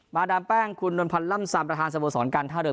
ดามแป้งคุณนวลพันธ์ล่ำซำประธานสโมสรการท่าเรือ